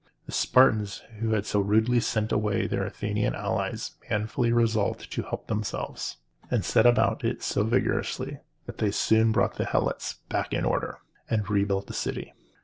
The Spartans who had so rudely sent away their Athenian allies manfully resolved to help themselves, and set about it so vigorously that they soon brought the Helots back to order, and rebuilt their city.